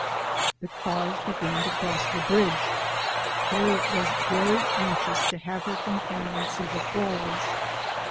The cars began to cross the bridge. Harriet was very anxious to have her companions see the Falls.